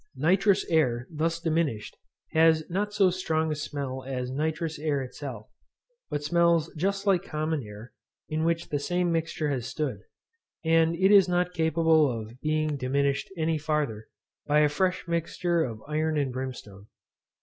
Nitrous air thus diminished has not so strong a smell as nitrous air itself, but smells just like common air in which the same mixture has stood; and it is not capable of being diminished any farther, by a fresh mixture of iron and brimstone.